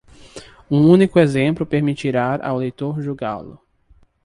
Um único exemplo permitirá ao leitor julgá-lo.